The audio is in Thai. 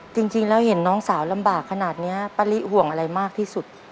จริงแล้วเห็นน้องสาวลำบากขนาดนี้ป้าลิห่วงอะไรมากที่สุด